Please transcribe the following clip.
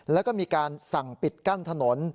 แล้วก็มีการสั่งปิดกั้นถนน